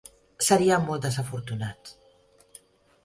Seria molt desafortunat.